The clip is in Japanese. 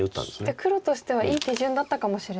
じゃあ黒としてはいい手順だったかもしれない。